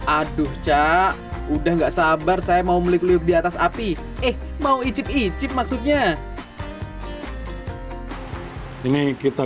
aduh cak udah nggak sabar saya mau meliuk liuk di atas api eh mau icip icip maksudnya ini kita